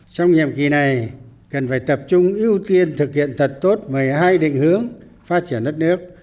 trong nhiệm kỳ này cần phải tập trung ưu tiên thực hiện thật tốt một mươi hai định hướng phát triển đất nước